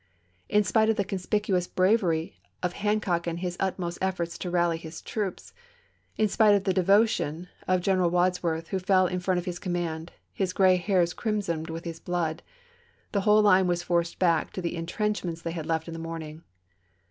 In spite of the conspicuous bravery of Hancock and his utmost efforts to rally his troops ; in spite of the devotion of General Wadsworth, who fell in front of his command, his gray hairs crimsoned with his blood, the whole line was forced back to the in trenchments they had left in the morning.